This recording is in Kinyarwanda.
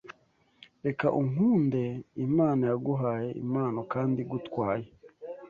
reka ukunde Imana yaguhaye impano kandi igutwaye